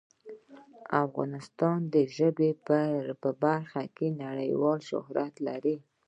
افغانستان د ژبې په برخه کې نړیوال شهرت لري.